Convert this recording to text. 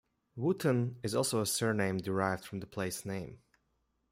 Wootton is also a surname derived from the place name.